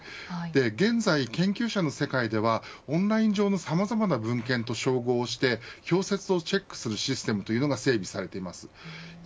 現在、研究者の世界ではオンライン上のさまざまな文献と照合して剽せつをチェックするシステムが整備されています。